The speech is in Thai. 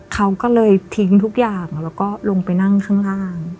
เขาก็เลยทิ้งทุกอย่างแล้วก็ลงไปนั่งข้างล่าง